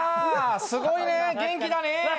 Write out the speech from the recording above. すごいね、元気だね。